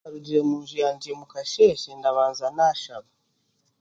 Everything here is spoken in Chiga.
Ntakarugire munju yangye mukasheeshe ndabanza naashaba.